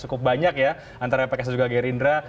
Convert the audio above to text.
cukup banyak ya antara pks dan juga gerindra